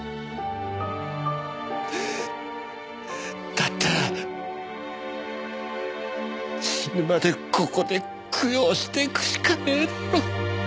だったら死ぬまでここで供養していくしかねえだろ。